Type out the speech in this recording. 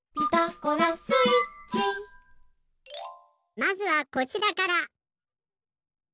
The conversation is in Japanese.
まずはこちらから。